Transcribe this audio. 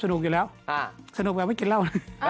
สนุกวันนั้นไม่กินเล่า